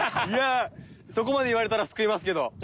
いやそこまで言われたらすくいますけど。